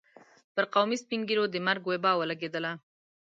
پر قومي سپين ږيرو د مرګ وبا ولګېدله.